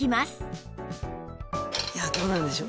いやどうなるんでしょう？